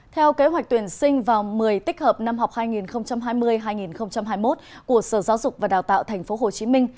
theo kế hoạch tuyển sinh vào một mươi tích hợp năm học hai nghìn hai mươi hai nghìn hai mươi một của sở giáo dục và đào tạo tp hcm